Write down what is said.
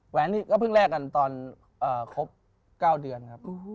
แหนนี่ก็เพิ่งแลกกันตอนครบ๙เดือนครับ